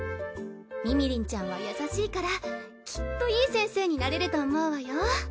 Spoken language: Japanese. みみりんちゃんは優しいからきっといい先生になれると思うわよ。